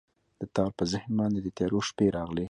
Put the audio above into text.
د تار په ذهن باندې، د تیارو شپې راغلي